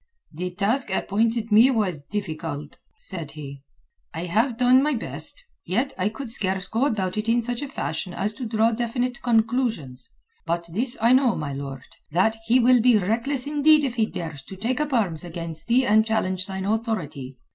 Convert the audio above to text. "The task appointed me was difficult," said he. "I have done my best. Yet I could scarce go about it in such a fashion as to draw definite conclusions. But this I know, my lord, that he will be reckless indeed if he dares to take up arms against thee and challenge thine authority.